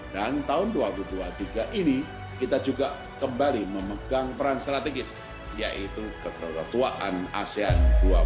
dan tahun dua ribu dua puluh tiga ini kita juga kembali memegang peran strategis yaitu ketua ketuaan asean dua ribu dua puluh tiga